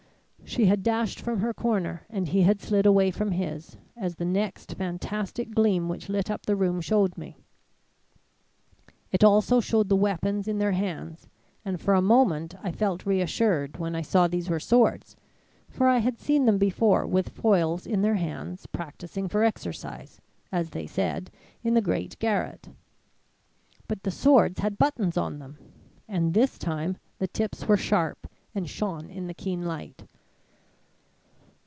"She had dashed from her corner and he had slid away from his, as the next fantastic gleam which lit up the room showed me. It also showed the weapons in their hands, and for a moment I felt reassured when I saw these were swords, for I had seen them before with foils in their hands practising for exercise, as they said, in the great garret. But the swords had buttons on them, and this time the tips were sharp and shone in the keen light.